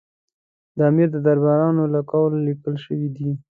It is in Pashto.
د امیر د درباریانو له قوله لیکل شوي دي.